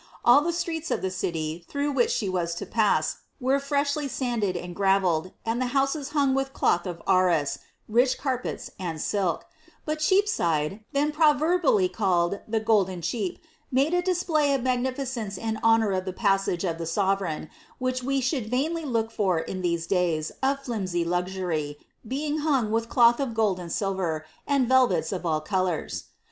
All the streets of the city, through which she was to pass, were freshly sanded and gravelled, and the houses hung with cloth ot srraii, rich carpets, and silk ; but Cheapside, then proverbially called tlie Golden Chepe, made a display of magnificence in honour of the pas sage of the soTereign, which we should vainly look for in these days of flimsy luxury, being hung with cloth of gold and silver, and velvets of all colours.'